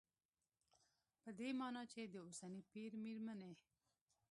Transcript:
په دې مانا چې د اوسني پېر مېرمنې